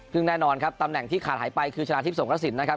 ซึ่งแน่นอนครับตำแหน่งที่ขาดหายไปคือชนะทิพย์สงกระสินนะครับ